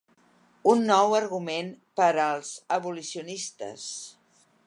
Un nou argument per als abolicionistes.